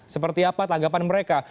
seperti apa tanggapan mereka